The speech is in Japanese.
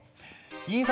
印刷